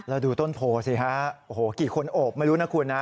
แล้วดูต้นโพสิฮะโอ้โหกี่คนโอบไม่รู้นะคุณนะ